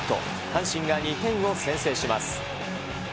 阪神が２点を先制します。